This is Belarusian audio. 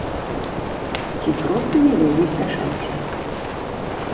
Ці проста не вельмі спяшаўся.